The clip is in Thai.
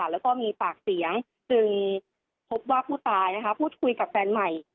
แล้วก็มีปากเสียงจึงพบว่าผู้ตายพูดคุยกับแฟนใหม่